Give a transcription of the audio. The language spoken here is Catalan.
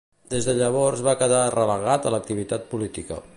Des de llavors va quedar relegat de l'activitat política.